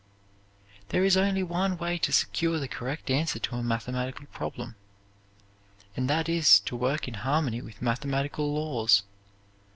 There is only one way to secure the correct answer to a mathematical problem; and that is to work in harmony with mathematical laws.